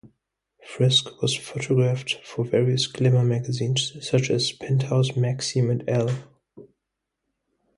Friske was photographed for various glamour magazines such as "Penthouse", "Maxim" and "Elle".